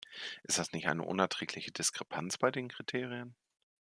Ist das nicht eine unerträgliche Diskrepanz bei den Kriterien?